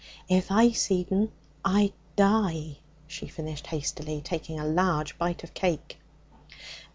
If I seed 'em I'd die,' she finished hastily, taking a large bite of cake.